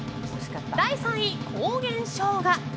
第３位、高原生姜。